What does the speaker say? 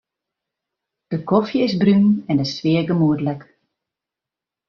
De kofje is brún en de sfear gemoedlik.